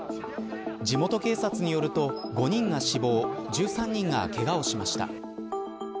地元警察によると５人が死亡１３人がけがをしました。